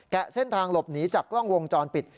เส้นทางหลบหนีจากกล้องวงจรปิด